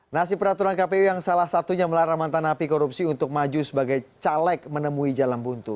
nasib peraturan kpu yang salah satunya melarang mantan api korupsi untuk maju sebagai caleg menemui jalan buntu